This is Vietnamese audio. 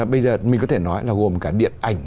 bây giờ mình có thể nói là gồm cả điện ảnh